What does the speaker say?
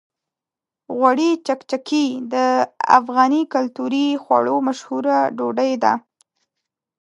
غوړي چکچکي د افغاني کلتوري خواړو مشهوره ډوډۍ ده.